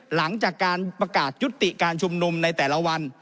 หลังจากการประกาศยุติการชุมนุมในแต่ละวัน